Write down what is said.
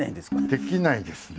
できないですね。